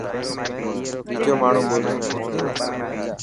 ٻيجو ماڻهو ٻولسي.